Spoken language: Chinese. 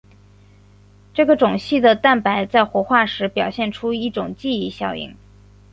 这个种系的蛋白在活化时表现出一种记忆效应。